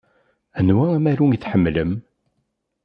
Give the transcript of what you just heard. Anwa amaru i tḥemmlem?